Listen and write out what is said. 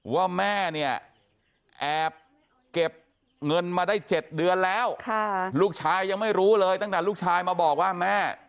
ว่าแม่เนี่ยแอบเก็บเงินมาได้๗เดือนแล้วลูกชายยังไม่รู้เลยตั้งแต่ลูกชายมาบอกว่าแม่